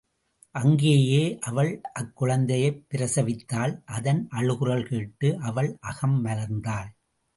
அங்கேயே அவள் அக்குழந்தையைப் பிரசவித்தாள் அதன் அழுகுரல் கேட்டு அவள் அகம் மலர்ந்தாள்.